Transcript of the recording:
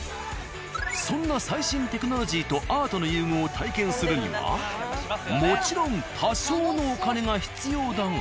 そんな最新テクノロジーとアートの融合を体験するにはもちろん多少のお金が必要だが。